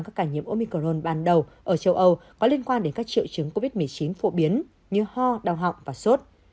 các ca nhiễm omicron ban đầu ở châu âu có liên quan đến các triệu chứng covid một mươi chín phổ biến như ho đau họng và sốt